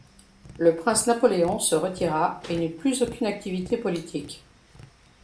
Le prince Napoléon se retira et n'eut plus aucune activité politique.